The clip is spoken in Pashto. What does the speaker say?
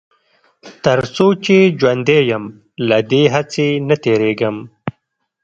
تر څو چې ژوندی يم له دې هڅې نه تېرېږم.